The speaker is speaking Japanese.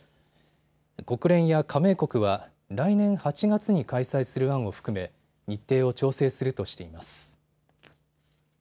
国連や加盟国は来年８月に開催する案を含め日程を調整するとしています。